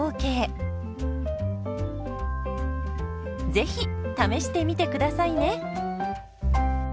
ぜひ試してみてくださいね。